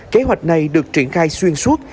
kế hoạch này được triển khai xuyên suốt